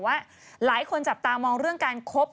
ว่าหลายคนจับตามองเรื่องการคบ